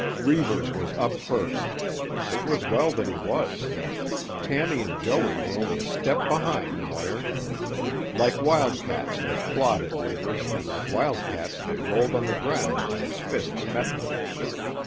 Reivers was up first. It was well that he was. Tammy and Joey were only a step behind Moir. Like wildcats they clawed at Reivers and like wildcats they rolled on the ground when his fists met them.